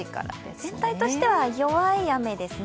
全体としては弱い雨ですね。